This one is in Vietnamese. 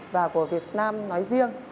và của việt nam nói riêng